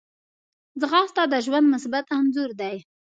ځغاسته د ژوند مثبت انځور دی